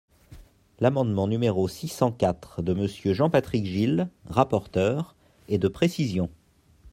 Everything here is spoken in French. L’amendement numéro six cent quatre de Monsieur Jean-Patrick Gille, rapporteur, est de précision.